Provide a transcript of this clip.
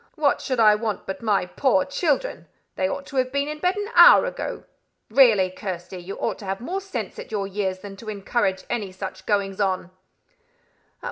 "What should I want but my poor children? They ought to have been in bed an hour ago. Really, Kirsty, you ought to have more sense at your years than to encourage any such goings on."